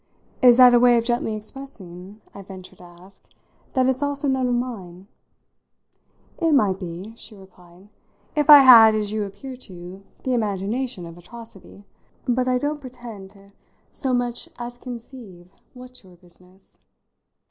"Is that a way of gently expressing," I ventured to ask, "that it's also none of mine?" "It might be," she replied, "if I had, as you appear to, the imagination of atrocity. But I don't pretend to so much as conceive what's your business."